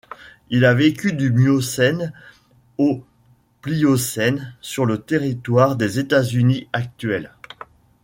Il a vécu du Miocène au Pliocène sur le territoire des États-Unis actuels.